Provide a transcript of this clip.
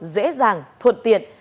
dễ dàng thuận tiện